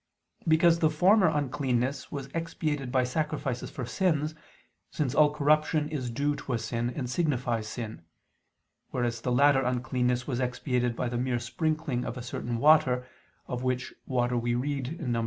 Because the former uncleanness was expiated by sacrifices for sins, since all corruption is due to sin, and signifies sin: whereas the latter uncleanness was expiated by the mere sprinkling of a certain water, of which water we read in Num.